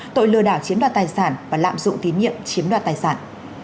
tội lừa đảo chiếm đoạt tài sản và lạm dụng tín nhiệm chiếm đoạt tài sản